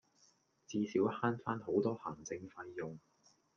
至少慳返好多行政費用